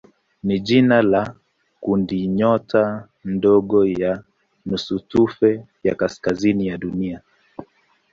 ni jina la kundinyota ndogo ya nusutufe ya kaskazini ya Dunia.